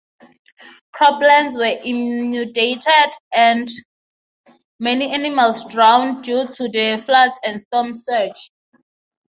Croplands were inundated and many animals drowned due to the floods and storm surge.